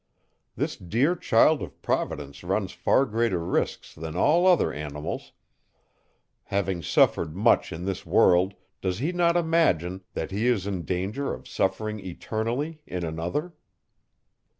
This dear child of Providence runs far greater risks than all other animals; having suffered much in this world, does he not imagine, that he is in danger of suffering eternally in another?